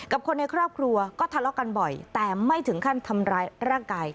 กับคนในครอบครัวก็ทะเลาะกันบ่อยแต่ไม่ถึงขั้นทำร้ายร่างกาย